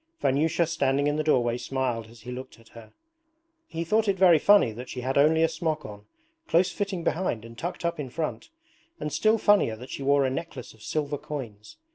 Vanyusha standing in the doorway smiled as he looked at her. He thought it very funny that she had only a smock on, close fitting behind and tucked up in front, and still funnier that she wore a necklace of silver coins.